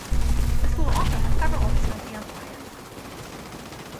The school also has several orchestras and choirs.